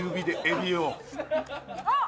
あっ！